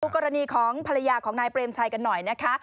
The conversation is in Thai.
กรณีของภรรยาของนายเปรมชัยกันหน่อยนะคะ